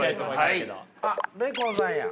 あっベーコンさんや。